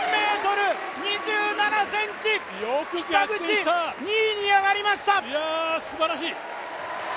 ６３ｍ２７ｃｍ、北口、２位に上がりました！